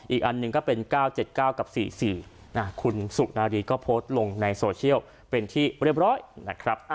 อีกอันหนึ่งก็เป็น๙๗๙กับ๔๔คุณสุนารีก็โพสต์ลงในโซเชียลเป็นที่เรียบร้อยนะครับ